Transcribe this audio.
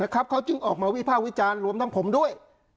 เขาจึงออกมาวิภาควิจารณ์รวมทั้งผมด้วย